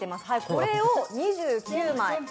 これを２９枚。